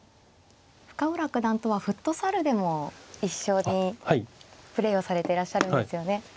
深浦九段とはフットサルでも一緒にプレーをされていらっしゃるんですよね。